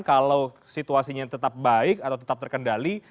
kalau situasinya tetap baik atau tetap terkendali